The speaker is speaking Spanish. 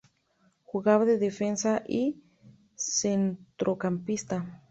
Jugaba de defensa y centrocampista.